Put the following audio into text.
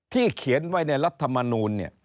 เขียนไว้ในรัฐมนูลเนี่ย